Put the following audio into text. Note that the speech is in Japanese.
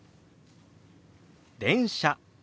「電車」。